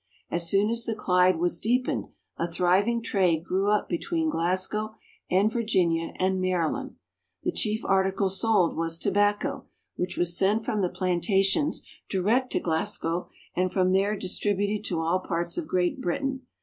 As soon as the Clyde was deepened, a thriving trade grew up between Glasgow and Virginia and Maryland. The chief article sold was tobacco, which was sent from the plantations direct to Glasgow, and from there distributed to all parts of Great Britain.